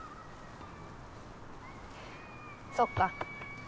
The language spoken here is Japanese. そっか。